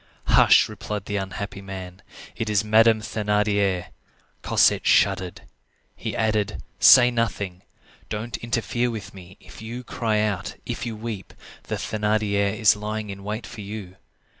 "Hush!" replied the unhappy man; "it is Madame Thénardier." Cosette shuddered. He added:— "Say nothing. Don't interfere with me. If you cry out, if you weep, the Thénardier is lying in wait for you.